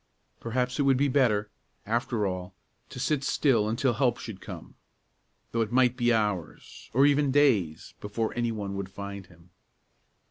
Perhaps it would be better, after all, to sit still until help should come, though it might be hours, or even days, before any one would find him.